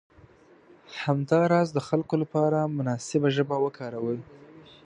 همداراز د خلکو لپاره مناسبه ژبه وکاروئ.